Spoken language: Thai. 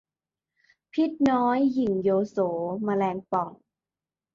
พิษน้อยหยิ่งโยโส แมลงป่อง